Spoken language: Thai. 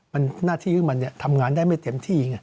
หน้าที่ขึ้นมาทำงานได้ไม่เต็มที่